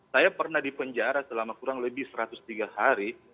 saya pernah dipenjara selama kurang lebih satu ratus tiga hari